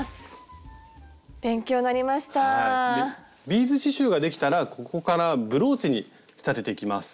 ビーズ刺しゅうができたらここからブローチに仕立てていきます。